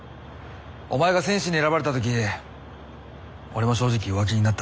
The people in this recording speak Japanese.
お前が戦士に選ばれた時俺も正直弱気になったし。